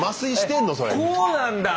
こうなんだ。